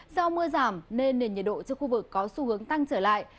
do mưa giảm nên nền nhiệt độ trên khu vực có xu hướng tăng trở lại